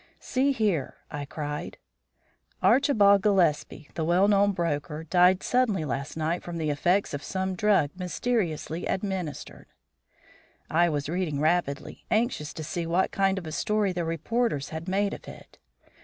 "See here!" I cried: "_'Archibald Gillespie, the well known broker, died suddenly last night, from the effects of some drug mysteriously administered.'_" I was reading rapidly, anxious to see what kind of a story the reporters had made of it.